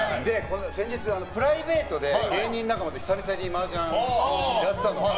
先日、プライベートで芸人仲間と久々にマージャンやったんです。